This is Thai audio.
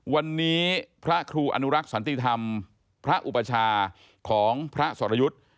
วันนี้พระครูอนุรักษ์สันติธรรมพระอุปชาของพระสรยุทธ์